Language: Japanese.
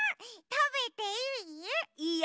たべていい？いいよ。